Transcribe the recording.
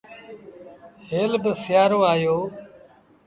هيل با سيٚآرو آيو